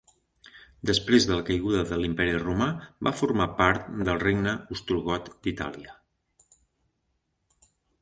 Després de la caiguda de l'Imperi romà va formar part del Regne Ostrogot d'Itàlia.